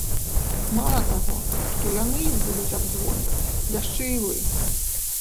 Мала таго, што яны іх будуць абзвоньваць, яшчэ і вы.